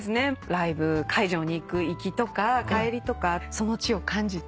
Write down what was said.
ライブ会場に行く行きとか帰りとかその地を感じて。